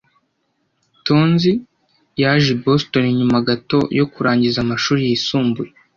Tonzi yaje i Boston nyuma gato yo kurangiza amashuri yisumbuye.